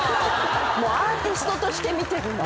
アーティストとして見てるんだ。